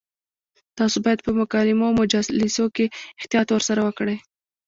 تاسو باید په مکالمو او مجالسو کې احتیاط ورسره وکړئ.